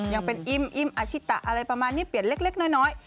ยังเป็นอิมอิ่มอาชิตะอะไรประมาณนี้เปลี่ยนเล็กน้อย